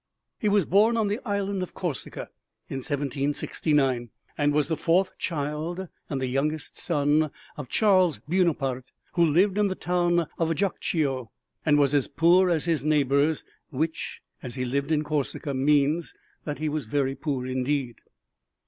He was born on the island of Corsica in 1769, and was the fourth child and the youngest son of Charles Buonaparte who lived in the town of Ajaccio and was as poor as his neighbors, which, as he lived in Corsica, means that he was very poor indeed.